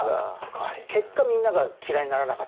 結果みんなが嫌いにならなかった。